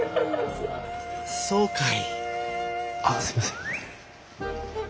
そうかいあっすいません。